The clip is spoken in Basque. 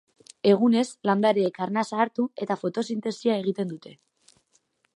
Egunez, landareek arnasa hartu, eta fotosintesia egiten dute.